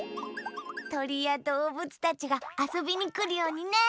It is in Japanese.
とりやどうぶつたちがあそびにくるようにね！